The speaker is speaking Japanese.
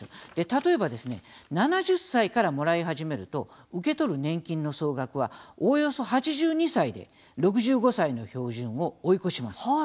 例えばですね７０歳からもらい始めると受け取る年金の総額はおおよそ８２歳で６５歳の標準を追い越します。